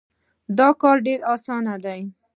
دا کار ډېر اسان دی.